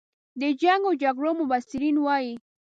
د جنګ و جګړو مبصرین وایي.